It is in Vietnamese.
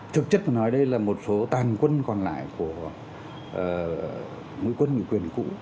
thực chất nói đây là một số tàn quân còn lại của ngũi quân người quyền cũ